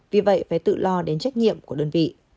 vì vậy phải tự lo đến trách nhiệm của đơn vị